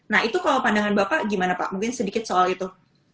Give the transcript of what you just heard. nah itu kalau pandangan bapak gimana pak mungkin sedikit soal itu